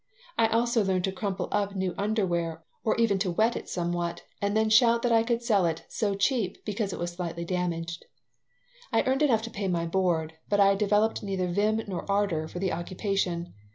I also learned to crumple up new underwear, or even to wet it somewhat, and then shout that I could sell it "so cheap" because it was slightly damaged I earned enough to pay my board, but I developed neither vim nor ardor for the occupation.